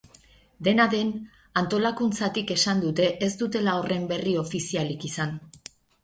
Dena den, antolakuntzatik esan dute ez dutela horren berri ofizialik izan.